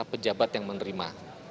para pejabat yang menerima